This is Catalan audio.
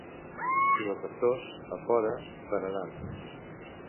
I els actors, a fora, berenant.